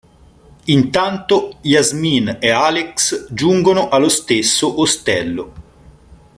Intanto Yasmin e Alex giungono allo stesso ostello.